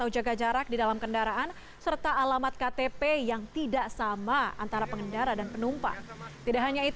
jalan asia afrika